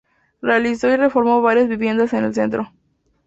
Realizó y reformó varias viviendas en el centro.